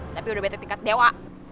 tapi udah beda tingkat dewa